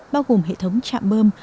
bao gồm hệ thống trạm bơm